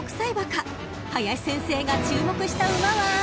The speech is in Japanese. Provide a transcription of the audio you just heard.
［林先生が注目した馬は？］